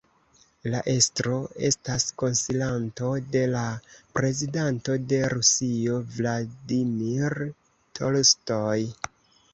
La estro estas konsilanto de la Prezidanto de Rusio Vladimir Tolstoj.